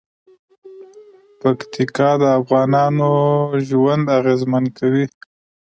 پکتیکا د افغانانو ژوند اغېزمن کوي.